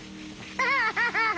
ハハハハハ。